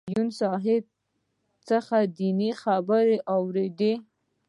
د یون صاحب څخه دینی خبرې واورېدې.